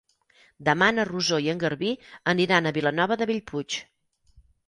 Demà na Rosó i en Garbí aniran a Vilanova de Bellpuig.